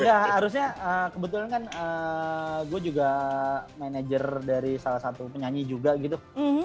ya harusnya kebetulan kan gue juga manajer dari salah satu penyanyi juga gitu